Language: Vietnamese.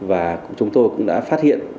và chúng tôi cũng đã phát hiện